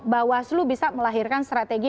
bawaslu bisa melahirkan strategi